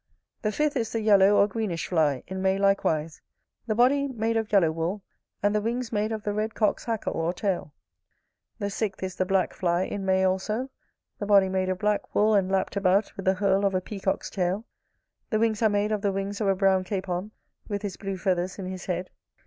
The fifth is the yellow or greenish fly, in May likewise: the body made of yellow wool; and the wings made of the red cock's hackle or tail. The sixth is the black fly, in May also: the body made of black wool, and lapt about with the herle of a peacock's tail: the wings are made of the wings of a brown capon, with his blue feathers in his head.